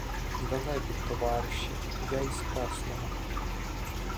Далебі, товариші, — я із Красного.